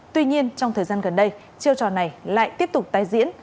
tuy nhiên trong thời gian gần đây chiêu trò này lại tiếp tục tái diễn